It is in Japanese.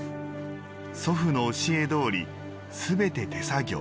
祖父の教え通り、全て手作業。